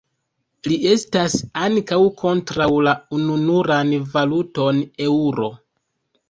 Li estas ankaŭ kontraŭ la ununuran valuton Eŭro.